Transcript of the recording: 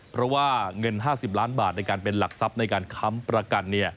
เพราะว่าเงิน๕๐ล้านบาทในการเป็นหลักทรัพย์ในการค้ำประกัน